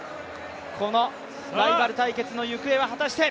このライバル対決の行方は果たして？